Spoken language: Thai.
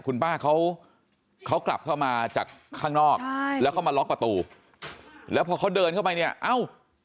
คุณป้าเขาเขากลับเข้ามาจากข้างนอกแล้วเข้ามาล็อกประตูแล้วพอเขาเดินเข้าไปเนี่ยเอ้า